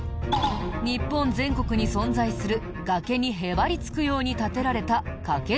日本全国に存在する崖にへばりつくように建てられた懸造り。